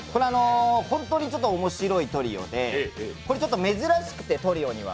本当に面白いトリオで珍しくて、トリオには。